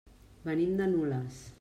Venim de Nules.